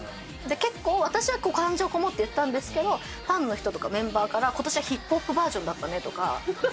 結構、私は感情込もって言ったんですけど、ファンの人とかメンバーから、ことしはヒップホップバージョンだったねとか。